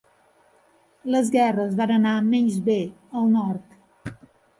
Les guerres van anar menys bé al nord.